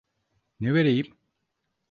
Ne vereyim?